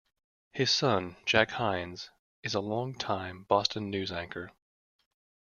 His son, Jack Hynes, is a longtime Boston news anchor.